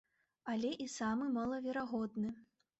Але і самы малаверагодны.